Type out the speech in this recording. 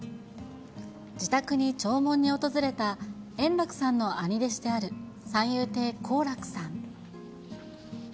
自宅に弔問に訪れた円楽さんの兄弟子である三遊亭好楽さん。